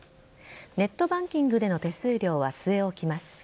ネットバンキングでの手数料は据え置きます。